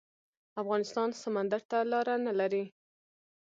افغانستان سمندر ته لاره نلري